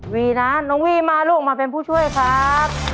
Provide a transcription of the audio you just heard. วีนะน้องวีมาลูกมาเป็นผู้ช่วยครับ